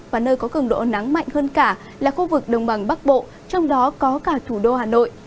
và nơi có cường độ nắng mạnh hơn cả là khu vực đồng bằng bắc bộ trong đó có cả thủ đô hà nội